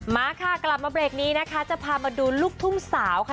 มาค่ะกลับมาเบรกนี้นะคะจะพามาดูลูกทุ่งสาวค่ะ